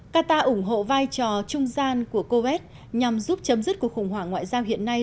qatar ủng hộ vai trò trung gian của coet nhằm giúp chấm dứt cuộc khủng hoảng ngoại giao hiện nay